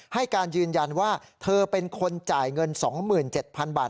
ให้การยืนยันว่าเธอเป็นคนจ่ายเงิน๒๗๐๐บาท